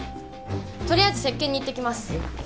とりあえず接見に行ってきます